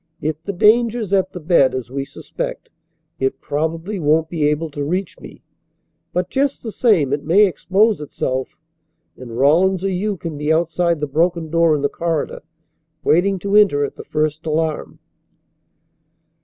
If the danger's at the bed, as we suspect, it probably won't be able to reach me, but just the same it may expose itself. And Rawlins or you can be outside the broken door in the corridor, waiting to enter at the first alarm."